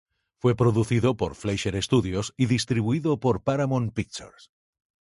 Fue producido por Fleischer Studios y distribuido por Paramount Pictures.